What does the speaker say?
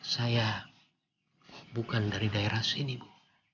saya bukan dari daerah sini bu